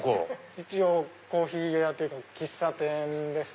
一応コーヒー屋というか喫茶店です。